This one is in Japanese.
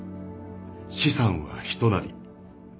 「資産は人なり」